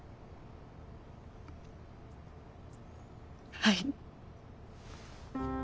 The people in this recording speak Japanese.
はい。